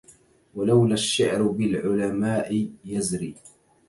ولولا الشعر بالعلماء يزري